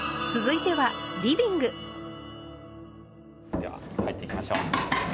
では入っていきましょう。